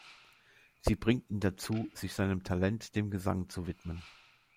Sie bringt ihn dazu, sich seinem Talent, dem Gesang, zu widmen.